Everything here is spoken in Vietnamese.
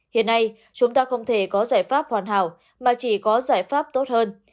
hiện nay chúng ta không thể có giải pháp hoàn hảo mà chỉ có giải pháp tốt hơn